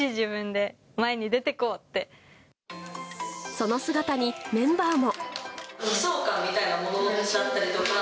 その姿にメンバーも。